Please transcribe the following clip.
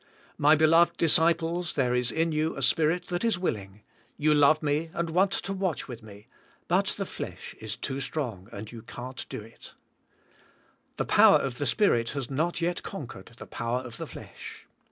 *'My beloved disciples, there is in you a spirit that is willing. You love Me and want to 190 THK SPIRITUAI< LIFK. watch with Me, but the flesh is too strong*, and you can't do it. The power of the spirit has not yet con quered the power of the flesh."